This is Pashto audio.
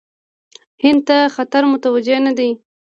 هند ته خطر متوجه نه دی.